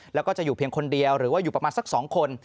แล้วก็จะอยู่เพียงคนเดียวหรือว่าอยู่ประมาณสัก๒คน